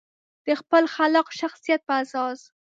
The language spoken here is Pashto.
د خپل خلاق شخصیت په اساس.